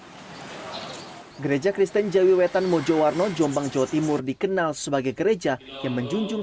hai gereja kristen jawiwetan mojowarno jombang jawa timur dikenal sebagai gereja yang menjunjung